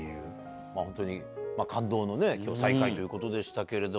本当に感動の再会ということでしたけれども。